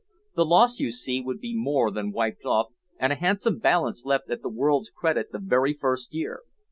The loss, you see, would be more than wiped off, and a handsome balance left at the world's credit the very first year!